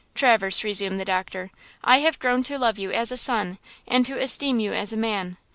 "Traverse," resumed the doctor, "I have grown to love you as a son, and to esteem you as a man.